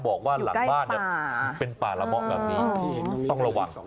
หลังบ้านเนี่ยเป็นป่าระเมาะกับนี้ต้องระวัง